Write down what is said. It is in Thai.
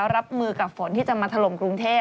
รับมือกับฝนที่จะมาถล่มกรุงเทพ